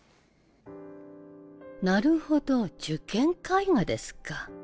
なるほど受験絵画ですか。